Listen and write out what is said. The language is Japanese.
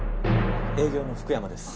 営業の福山です。